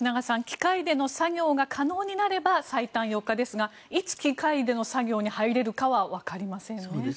機械での作業が可能になれば最短４日ですがいつ機械での作業に入れるかはわかりませんね。